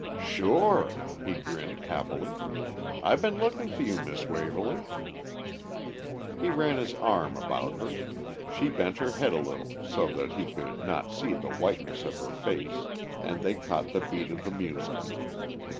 "Sure," he grinned happily. "I been looking for you, Miss Waverly." He ran his arm about her, she bent her head a little so that he could not see the whiteness of her face, and they caught the beat of the music.